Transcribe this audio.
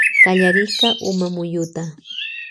Kallarirka umamuyuta.